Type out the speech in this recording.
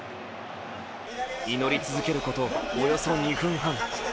祈り続けること、およそ２分半。